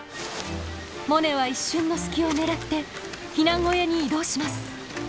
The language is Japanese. モネは一瞬の隙を狙って避難小屋に移動します。